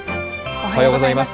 おはようございます。